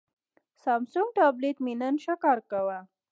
سامسنګ ټابلیټ مې نن ښه کار کاوه.